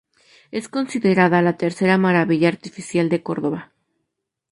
Es considerada la tercera Maravilla Artificial de Córdoba.